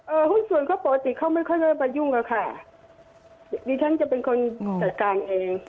หุ้นส่วนเขาปกติเขาไม่ค่อยได้มายุ่งแล้วค่ะดิฉันจะเป็นคนจัดการเอง